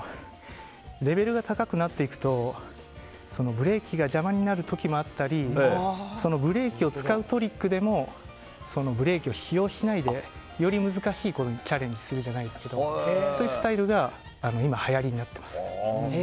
レベルが高くなっていくとブレーキが邪魔になる時もあったりブレーキを使うトリックでもブレーキを使用しないでより難しいことにチャレンジするじゃないですけどそういうスタイルが今、はやりになっています。